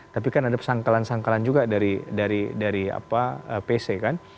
tapi kan ada pesangkalan pesangkalan juga dari pc kan